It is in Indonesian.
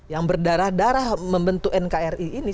yang berdarah darah membentuk nkri ini